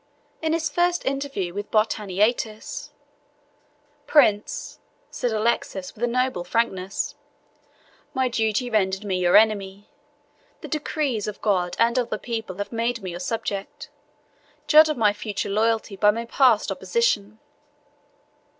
In his first interview with Botaniates, "Prince," said Alexius with a noble frankness, "my duty rendered me your enemy; the decrees of God and of the people have made me your subject. Judge of my future loyalty by my past opposition."